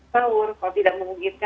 saur kalo tidak memungkinkan